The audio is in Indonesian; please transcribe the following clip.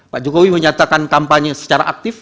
pak jokowi menyatakan kampanye secara aktif